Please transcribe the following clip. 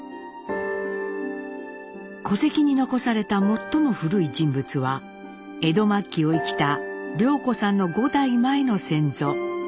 戸籍に残された最も古い人物は江戸末期を生きた涼子さんの５代前の先祖三五郎。